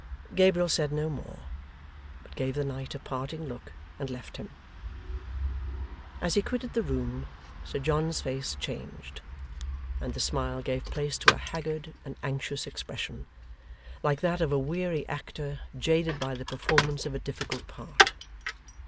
Gabriel said no more, but gave the knight a parting look, and left him. As he quitted the room, Sir John's face changed; and the smile gave place to a haggard and anxious expression, like that of a weary actor jaded by the performance of a difficult part.